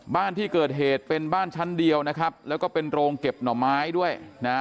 บ้านที่เกิดเหตุเป็นบ้านชั้นเดียวนะครับแล้วก็เป็นโรงเก็บหน่อไม้ด้วยนะ